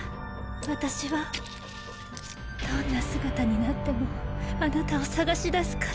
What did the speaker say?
私はどんな姿になってもあなたを探し出すから。